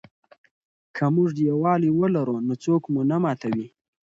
که موږ یووالي ولرو نو څوک مو نه ماتوي.